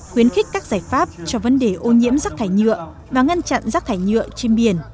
khuyến khích các giải pháp cho vấn đề ô nhiễm rác thải nhựa và ngăn chặn rác thải nhựa trên biển